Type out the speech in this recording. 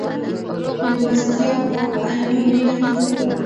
مېلمستیا په عینومېنه کې ده.